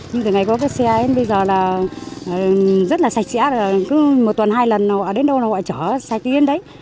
nhưng từ ngày có cái xe ấy bây giờ là rất là sạch sẽ cứ một tuần hai lần họ đến đâu là họ chở sạch đến đấy